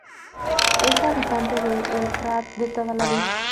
Es habitante de el Prat de toda la vida.